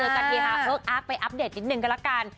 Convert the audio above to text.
เจอกันทีฮะเอิ้กอักไปอัปเดตนิดหนึ่งกันละกัน